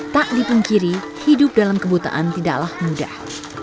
tak dipungkiri hidup dalam kebutaan tidaklah mudah